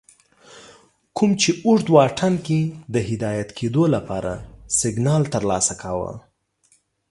کوم چې اوږد واټن کې د هدایت کېدو لپاره سگنال ترلاسه کوه